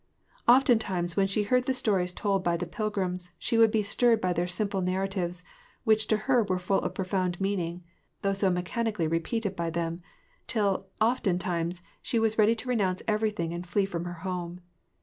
Oftentimes, when she heard the stories told by the pilgrims, she would be stirred by their simple narratives, which to her were full of profound meaning, though so mechanically re peated by them ; till, oftentimes, she was ready to renounce everything and flee from her home.